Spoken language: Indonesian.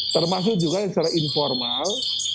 termasuk juga secara informal